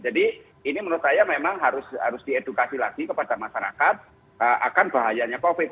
jadi ini menurut saya memang harus diedukasi lagi kepada masyarakat akan bahayanya covid